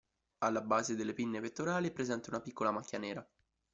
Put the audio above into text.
Alla base delle pinne pettorali è presente una piccola macchia nera.